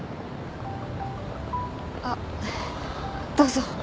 あっどうぞ。